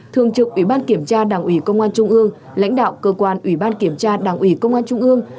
thường trực ủy ban kiểm tra đảng ủy công an trung ương lãnh đạo cơ quan ủy ban kiểm tra đảng ủy công an trung ương